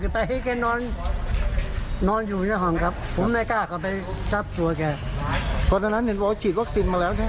ปกติแกเป็นคนแข็งแรงอยู่ใช่ไหม